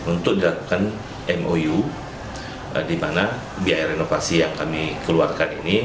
untuk dilakukan mou di mana biaya renovasi yang kami keluarkan ini